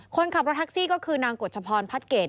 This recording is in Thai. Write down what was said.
คนขับรถแท็กซี่ก็คือนางกฎชพรพัดเกต